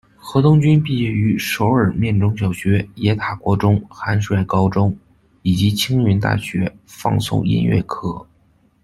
河东均毕业于首尔面中小学、野塔国中、韩率高中，以及青云大学放送音乐科。